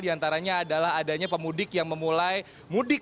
di antaranya adalah adanya pemudik yang memulai mudik